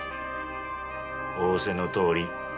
仰せのとおり。